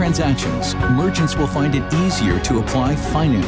asosiasi dan industri sistem uang